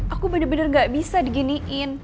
aku bener bener gak bisa diginiin